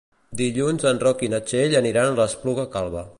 Dilluns en Roc i na Txell aniran a l'Espluga Calba.